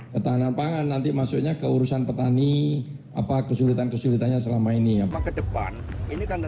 ketahanan pangan nanti masuknya ke urusan petani kesulitan kesulitannya selama ini